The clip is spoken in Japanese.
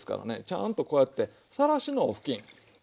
ちゃんとこうやってさらしのお布巾。